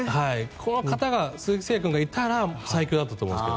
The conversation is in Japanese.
この方が鈴木誠也君がいたら最強だったと思うんですが。